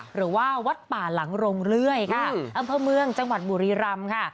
หรือว่าวัดป่าหลังโรงเรื่อยค่ะอำเภอเมืองจังหวัดบุรีรำค่ะ